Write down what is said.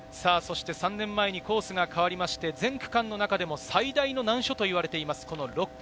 ３年前にコースが変わって全区間の中でも最大の難所と言われている６区。